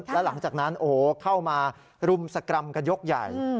แล้วหลังจากนั้นเข้ามารุมสกรรมกันยกใหญ่